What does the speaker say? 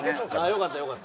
よかったよかった。